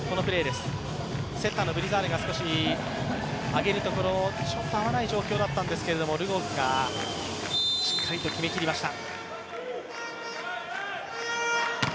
セッターのブリザールが上げるところ、ちょっと合わない状況だったんですけどルゴフがしっかりと決めきりました。